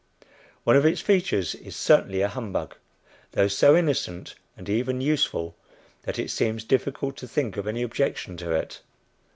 One of its features is certainly a humbug, though so innocent and even useful that it seems difficult to think of any objection to it.